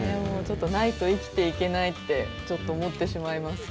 ちょっとないと生きていけないって、ちょっと思ってしまいま